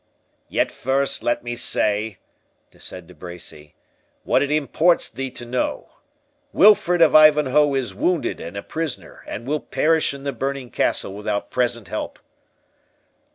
"Yet first, let me say," said De Bracy, "what it imports thee to know. Wilfred of Ivanhoe is wounded and a prisoner, and will perish in the burning castle without present help."